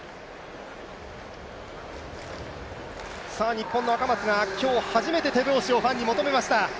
日本の赤松が今日、初めて手拍子をファンに求めました。